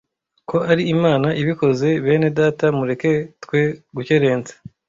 ko ari Imana ibikoze, bene data mureke twe gukerensa